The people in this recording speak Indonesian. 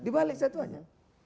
dibalik satu saja